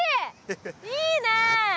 いいねえ！